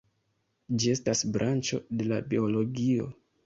Ĝi estas branĉo de la biologio.